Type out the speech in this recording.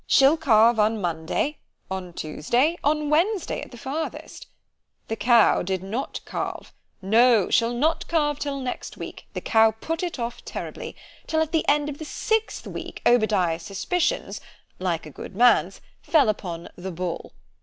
She'll calve on Monday—on Tuesday—on Wednesday at the farthest—— The cow did not calve——no—she'll not calve till next week——the cow put it off terribly——till at the end of the sixth week Obadiah's suspicions (like a good man's) fell upon the Bull.